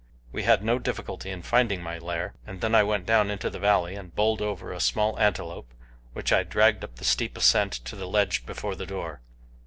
We had no difficulty in finding my lair, and then I went down into the valley and bowled over a small antelope, which I dragged up the steep ascent to the ledge before the door.